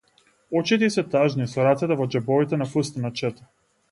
Очите ѝ се тажни, со рацете во џебовите на фустанот шета.